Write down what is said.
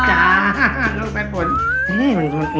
จ้าน้องไซฟน